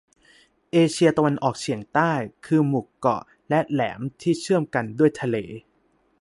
เอเชียตะวันออกเฉียงใต้คือหมู่เกาะและแหลมที่เชื่อมกันด้วยทะเล